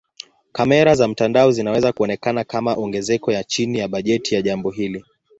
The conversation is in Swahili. Kamera za mtandao zinaweza kuonekana kama ongezeko ya chini ya bajeti ya jambo hili.